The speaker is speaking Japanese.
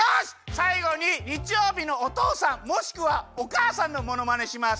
さいごににちようびのおとうさんもしくはおかあさんのものまねします。